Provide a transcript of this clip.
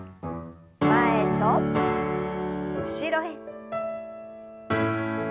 前と後ろへ。